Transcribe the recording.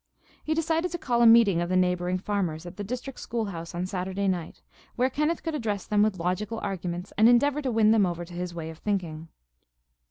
He decided to call a meeting of the neighboring farmers at the district school house on Saturday night, where Kenneth could address them with logical arguments and endeavor to win them over to his way of thinking.